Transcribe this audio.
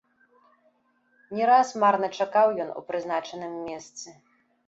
Не раз марна чакаў ён у прызначаным месцы.